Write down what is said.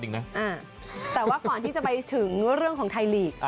แต่ว่าก่อนที่จะไปถึงเรื่องของไทยลีก